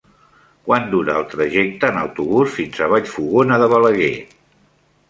Quant dura el trajecte en autobús fins a Vallfogona de Balaguer?